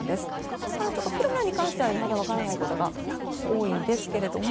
ですから、ピロラに関してはいまだ分からないことが多いんですけども